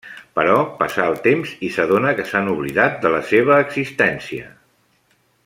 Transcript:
Però passa el temps i s'adona que s'han oblidat de la seva existència.